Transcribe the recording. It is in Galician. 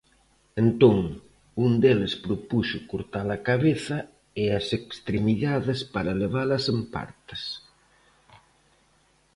Entón, un deles propuxo cortar a cabeza e as extremidades para levalas en partes.